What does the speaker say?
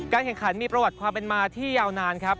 แข่งขันมีประวัติความเป็นมาที่ยาวนานครับ